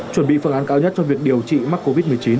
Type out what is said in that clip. chuẩn bị phương án cao nhất cho việc điều trị mắc covid một mươi chín